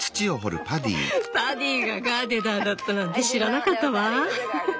パディがガーデナーだったなんて知らなかったわ。